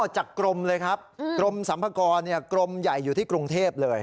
จากกรมเลยครับกรมสัมภากรกรมใหญ่อยู่ที่กรุงเทพเลย